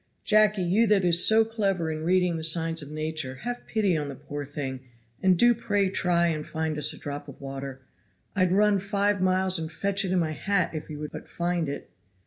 Jacky, you that is so clever in reading the signs of Nature, have pity on the poor thing and do pray try and find us a drop of water. I'd run five miles and fetch it in my hat if you would but find it.